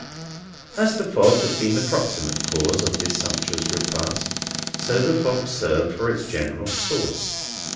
As the fog had been the proximate cause of this sumptuous repast, so the fog served for its general sauce.